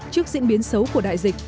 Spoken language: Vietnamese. trước diễn biến xấu của đại dịch